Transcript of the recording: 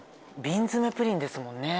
瓶詰めプリンですもんね。